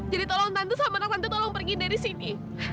jadi tolong tante sama anak tante tolong pergi dari sini